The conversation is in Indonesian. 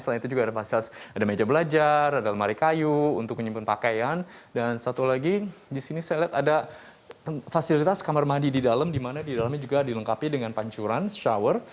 selain itu juga ada fasilitas ada meja belajar ada lemari kayu untuk menyimpan pakaian dan satu lagi disini saya lihat ada fasilitas kamar mandi di dalam di mana di dalamnya juga dilengkapi dengan pancuran shower